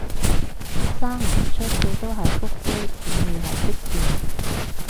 生唔出最多係腹肌，點會係積便